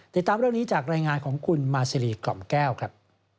ติดตามเรื่องนี้จากรายงานของคุณมาซีรีกล่อมแก้วครับ